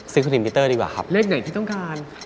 สนิมพิวเตอร์ดีกว่าครับเลขไหนที่ต้องการ